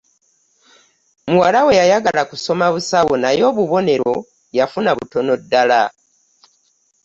Muwala we yayagala kusoma busawo naye obubonero yafuna butono ddala.